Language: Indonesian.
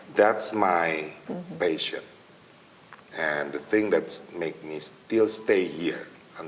itu yang membuat saya tetap berhenti di sini sampai sekarang